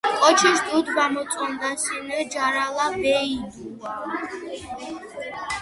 კოჩის დუდ ვამოწონდასუნ ჯარალა ვეიდუააა.